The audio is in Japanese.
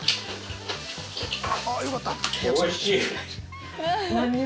おいしい！